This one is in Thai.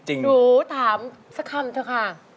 หนูถามสักคำเถอะค่ะ